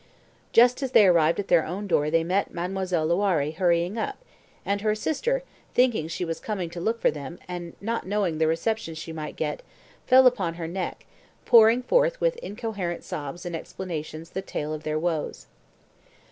Just as they arrived at their own door they met Mademoiselle Loiré hurrying up, and her sister, thinking she was coming to look for them, and not knowing the reception she might get, fell upon her neck, pouring forth with incoherent sobs and explanations the tale of their woes.